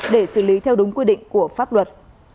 để xử lý theo đúng quy định của pháp luật